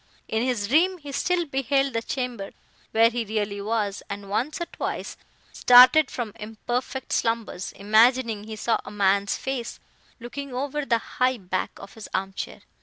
In his dream he still beheld the chamber where he really was, and, once or twice, started from imperfect slumbers, imagining he saw a man's face, looking over the high back of his arm chair.